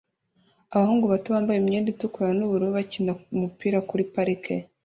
Abahungu bato bambaye imyenda itukura nubururu bakina umupira kuri parike